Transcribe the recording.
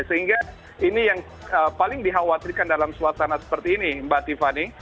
sehingga ini yang paling dikhawatirkan dalam suasana seperti ini mbak tiffany